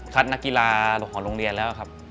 นักกีฬาของโรงเรียนแล้วครับ